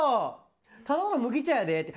ただの麦茶やでって。